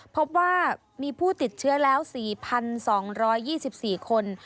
พบว่ามีผู้ติดเชื้อแล้ว๔๒๒๔คน